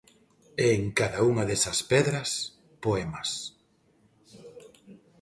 E en cada unha desas pedras, poemas.